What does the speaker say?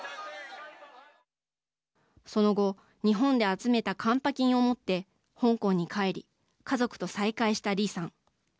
その後日本で集めたカンパ金を持って香港に帰り家族と再会した李さん。